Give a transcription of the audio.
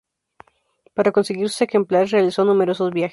Para conseguir sus ejemplares realizó numerosos viajes.